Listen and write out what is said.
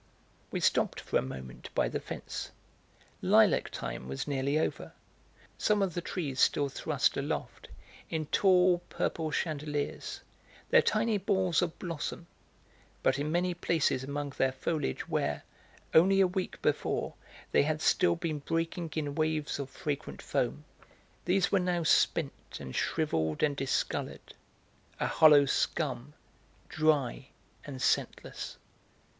We stopped for a moment by the fence. Lilac time was nearly over; some of the trees still thrust aloft, in tall purple chandeliers, their tiny balls of blossom, but in many places among their foliage where, only a week before, they had still been breaking in waves of fragrant foam, these were now spent and shrivelled and discoloured, a hollow scum, dry and scentless.